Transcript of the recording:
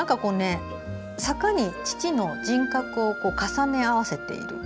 坂に父の人格を重ね合わせている。